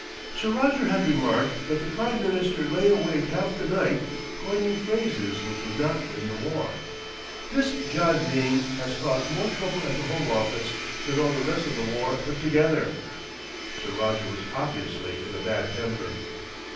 Sir Roger had remarked that the Prime Minister lay awake half the night coining phrases which would not win the war. "This John Dene has caused more trouble at the Home Office than all the rest of the war put together." Sir Roger was obviously in a bad temper.